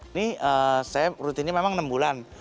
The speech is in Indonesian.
ini saya rutinnya memang enam bulan